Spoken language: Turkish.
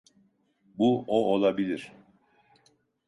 Bu o olabilir.